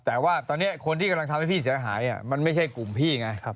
แต่ว่าตอนนี้คนที่กำลังทำให้พี่เสียหายมันไม่ใช่กลุ่มพี่ไงครับ